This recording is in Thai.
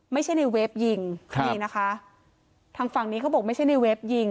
ไม่ใช่ในเวฟยิงครับนี่นะคะทางฝั่งนี้เขาบอกไม่ใช่ในเฟฟยิง